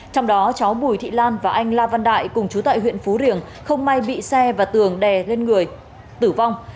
trong đó cháu bùi thị lan và anh la văn đại cùng chú tại huyện phú riềng không may bị xe và tường đè lên người tử vong